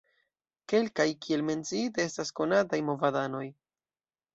Kelkaj, kiel menciite, estas konataj movadanoj.